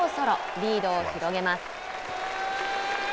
リードを広げます。